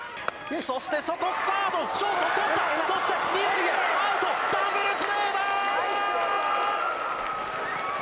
そして外、サード捕った、そして２塁へ、アウト、ダブルプレーだ。